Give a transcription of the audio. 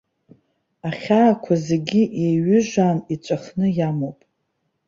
Ахьаақәа зегьы еиҩыжаан иҵәахны иамоуп.